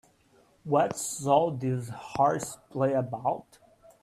What's all this horseplay about?